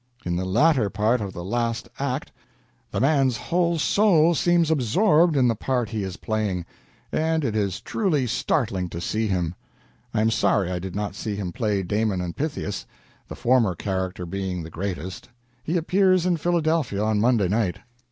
In the latter part of the last act. .. the man's whole soul seems absorbed in the part he is playing; and it is real startling to see him. I am sorry I did not see him play 'Damon and Pythias,' the former character being the greatest. He appears in Philadelphia on Monday night."